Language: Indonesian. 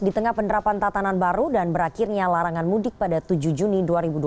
di tengah penerapan tatanan baru dan berakhirnya larangan mudik pada tujuh juni dua ribu dua puluh